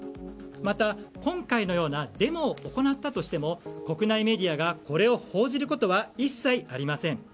また、今回のようなデモを行ったとしても国内メディアがこれを報じることは一切ありません。